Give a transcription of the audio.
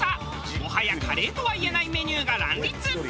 もはやカレーとはいえないメニューが乱立！